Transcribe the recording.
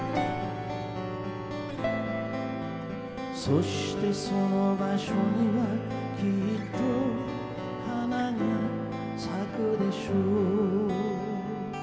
「そしてその場所にはきっと花が咲くでしょう」